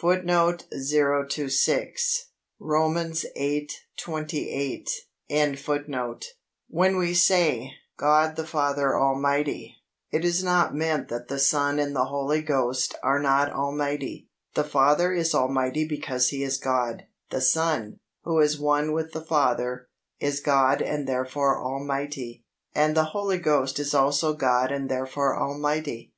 When we say, "God the Father Almighty," it is not meant that the Son and the Holy Ghost are not Almighty. The Father is Almighty because He is God, the Son, who is one with the Father, is God and therefore Almighty, and the Holy Ghost is also God and therefore Almighty.